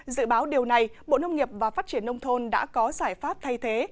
dự báo điều này bộ nông nghiệp và phát triển nông thôn đã có giải pháp thay thế